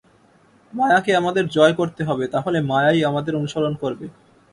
মায়াকে আমাদের জয় করতে হবে, তা হলে মায়াই আমাদের অনুসরণ করবে।